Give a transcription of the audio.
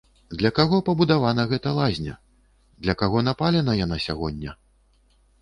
Для каго пабудавана гэта лазня, для каго напалена яна сягоння?